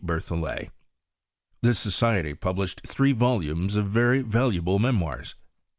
Berthollet. This society published three volumes of very valuable memoirs.